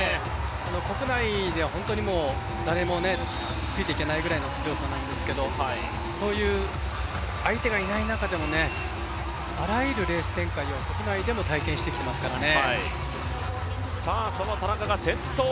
国内ではもう誰もついていけないような強さなんですけれどもそういう相手がいない中でも、あらゆるレース展開を国内でも体験してきていますからね。